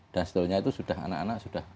dan seterusnya itu sudah anak anak sudah